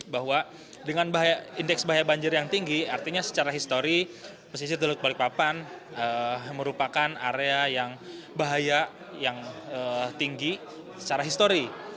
bahwa dengan indeks bahaya banjir yang tinggi artinya secara histori pesisir teluk balikpapan merupakan area yang bahaya yang tinggi secara histori